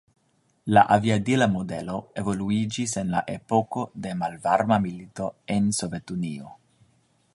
La aviadila modelo evoluiĝis en la epoko de Malvarma Milito en Sovetunio.